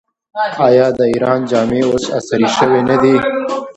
آیا د ایران جامې اوس عصري شوې نه دي؟